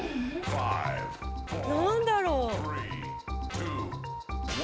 「なんだろう？」